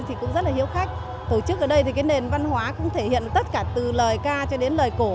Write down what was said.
thì cũng rất là hiếu khách tổ chức ở đây thì cái nền văn hóa cũng thể hiện tất cả từ lời ca cho đến lời cổ